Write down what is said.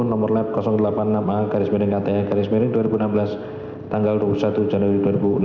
nomor lab delapan puluh enam a garis mering kta garis miring dua ribu enam belas tanggal dua puluh satu januari dua ribu enam belas